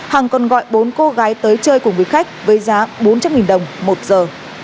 hằng còn gọi bốn cô gái tới chơi cùng với khách với giá bốn trăm linh đồng một giờ